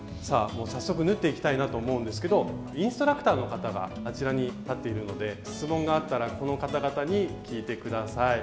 早速縫っていきたいなと思うんですけどインストラクターの方があちらに立っているので質問があったらこの方々に聞いて下さい。